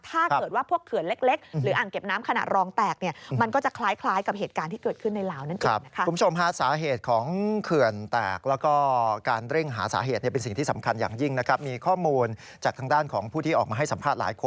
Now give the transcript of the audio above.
ถ้าเกิดว่าพวกเขื่อนเล็กหรืออ่างเก็บน้ำขนาดรองแตก